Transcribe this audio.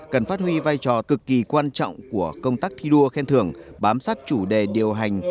cần phát huy vai trò cực kỳ quan trọng của công tác thi đua khen thưởng bám sát chủ đề điều hành